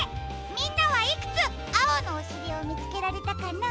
みんなはいくつあおのおしりをみつけられたかな？